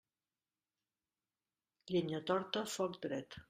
Llenya torta, foc dret.